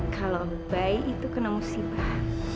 kalau bayi itu kena musibah